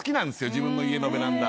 自分の家のベランダ。